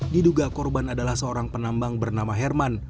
diduga korban adalah seorang penambang bernama herman